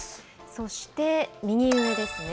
そして、右上ですね。